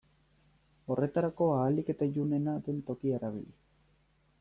Horretarako ahalik eta ilunena den tokia erabili.